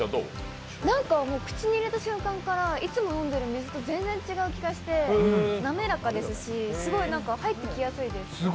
口に入れた瞬間からいつも飲んでる水と全然違う感じがして滑らかですし、すごい入ってきやすいです。